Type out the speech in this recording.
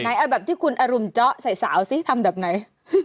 เอาแบบที่คุณอรุณเจาะใส่สาวสิทำแบบไหน